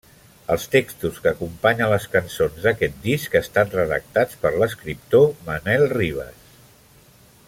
Els textos que acompanyen les cançons d'aquest disc estan redactats per l'escriptor Manuel Rivas.